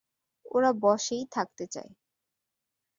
ওরা বশেই থাকতে চায়!